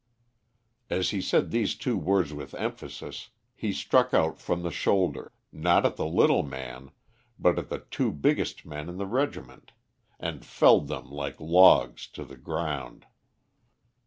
As he said these two words with emphasis, he struck out from the shoulder, not at the little man, but at the two biggest men in the regiment, and felled them like logs to the ground.